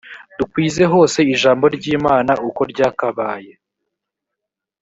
dukwize hose ijambo ry imana uko ryakabaye